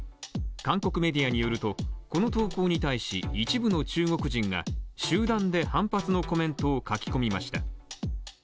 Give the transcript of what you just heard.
韓国メディアによるとこの投稿に対し、一部の中国人が集団で反発のコメントを書き込みました。